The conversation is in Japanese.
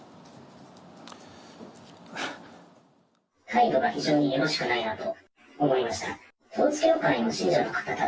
態度が非常によろしくないなと思いました。